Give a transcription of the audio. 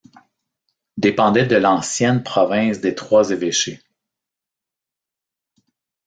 Dépendait de l’ancienne province des Trois-Évêchés.